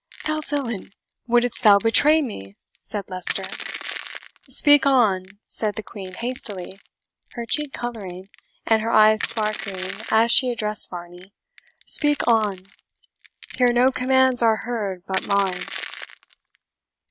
"Thou villain, wouldst thou betray me?" said Leicester. "Speak on," said the Queen hastily, her cheek colouring, and her eyes sparkling, as she addressed Varney "speak on. Here no commands are heard but mine."